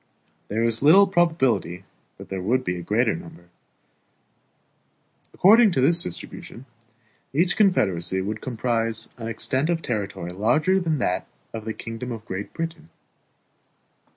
There is little probability that there would be a greater number. According to this distribution, each confederacy would comprise an extent of territory larger than that of the kingdom of Great Britain.